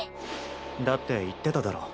だって言ってただろ。